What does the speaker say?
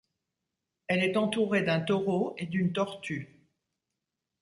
Elle est entourée d'un taureau et d'une tortue.